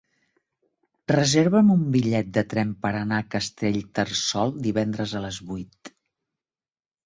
Reserva'm un bitllet de tren per anar a Castellterçol divendres a les vuit.